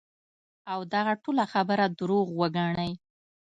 او دغه ټوله خبره دروغ وګڼی -